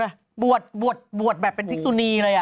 เปิดปลวดแบบเป็นพริกซูนีเลย